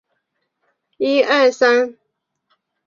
乙酰丙酮铜可由乙酰丙酮和氢氧化铜反应得到。